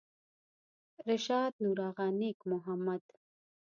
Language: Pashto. رشاد نورآغا نیک محمد